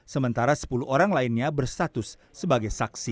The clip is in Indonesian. sementara sepuluh orang lainnya berstatus sebagai saksi